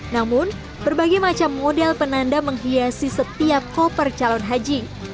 namun berbagai macam model penanda menghiasi setiap koper calon haji